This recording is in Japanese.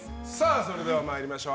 それでは参りましょう。